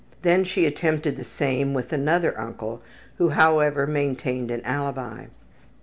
Then she attempted the same with another uncle who, however, maintained an alibi.